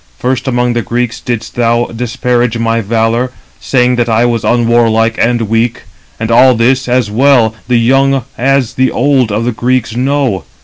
First among the Greeks didst thou disparage my valour, saying that I was unwarlike and weak; 292 and all this, as well the young as the old of the Greeks know.